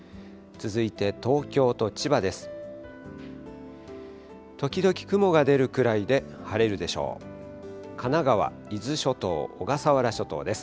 続いて、東京と千葉です。